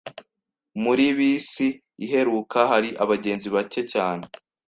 Muri bisi iheruka hari abagenzi bake cyane.